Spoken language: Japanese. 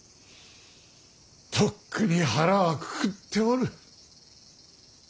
とっくに腹はくくっておる。